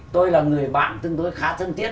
tôi là người bạn tương đối khá thân thiết